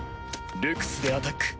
ルクスでアタック。